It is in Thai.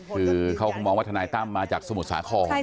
คือเขาคงมองว่าธนัยตั้มมาจากสมุดสาของใช่ไหม